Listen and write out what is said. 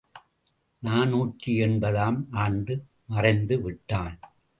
நாநூற்று எண்பது ஆம் ஆண்டு மறைந்து விட்டான்!